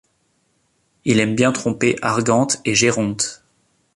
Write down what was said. Il aime bien tromper Argante et Géronte.